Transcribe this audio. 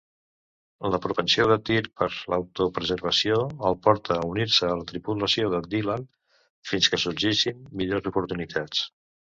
La propensió de Tyr per l'auto-preservació el porta a unir-se a la tripulació de Dylan fins que sorgissin millors oportunitats.